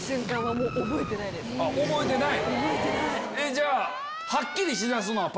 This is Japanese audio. じゃあはっきりしだすのは。